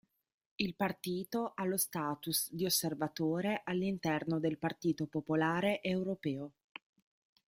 Il partito ha lo status di osservatore all'interno del Partito Popolare Europeo.